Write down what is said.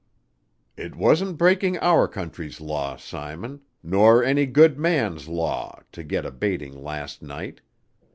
"It wasn't breaking our country's law, Simon, nor any good man's law, to get a baiting last night.